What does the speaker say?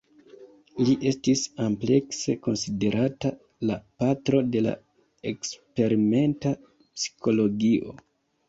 Li estis amplekse konsiderata la "patro de la eksperimenta psikologio".